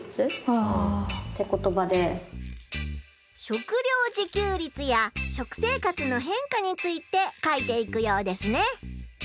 食料自給率や食生活のへんかについて書いていくようですね。